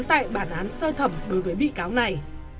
tại bản án sơ thẩm đối với bị cáo này